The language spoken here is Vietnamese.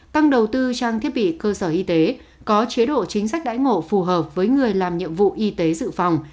tăng đầu tư trang thiết bị cơ sở y tế có chế độ chính sách đãi ngộ phù hợp với người làm nhiệm vụ y tế dự phòng